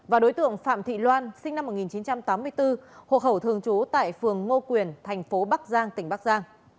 và đối tượng phạm thị loan sinh năm một nghìn chín trăm tám mươi bốn hộ khẩu thường trú tại phường ngô quyền thành phố bắc giang tỉnh bắc giang